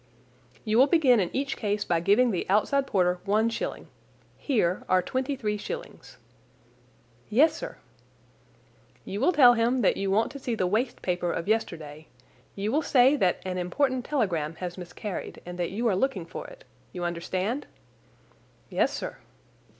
"You will begin in each case by giving the outside porter one shilling. Here are twenty three shillings." "Yes, sir." "You will tell him that you want to see the waste paper of yesterday. You will say that an important telegram has miscarried and that you are looking for it. You understand?" "Yes, sir."